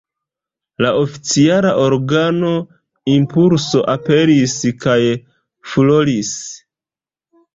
La oficiala organo "Impulso" aperis kaj "furoris".